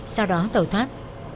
sau đó tẩu thoát